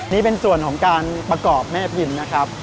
นี่เป็นส่วนของการประกอบแม่พิมพ์นะครับ